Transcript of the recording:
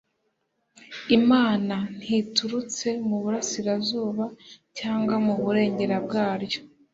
Imana ntiturutse mu burasirazuba cyangwa mu burengero bwaryo